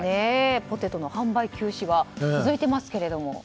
ポテトの販売休止が続いていますけれども。